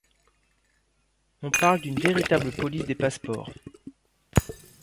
On parle d’une véritable police des passeports.